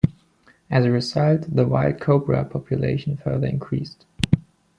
As a result, the wild cobra population further increased.